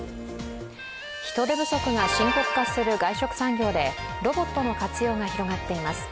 人手不足が深刻化する外食産業でロボットの活用が広がっています。